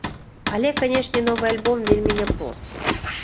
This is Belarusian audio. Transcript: Але, канешне, новы альбом вельмі няпросты.